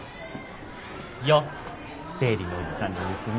よっ生理のおじさんの娘。